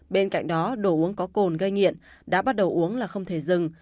bên cạnh đó đồ uống có cồn gây nghiện đã bắt đầu uống là không thể dừng